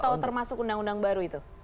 atau termasuk undang undang baru itu